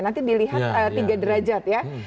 nanti dilihat tiga derajat ya